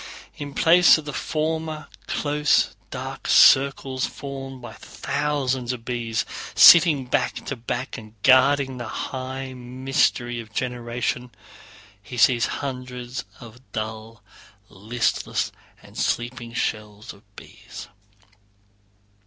In place of the former close dark circles formed by thousands of bees sitting back to back and guarding the high mystery of generation, he sees hundreds of dull, listless, and sleepy shells of bees.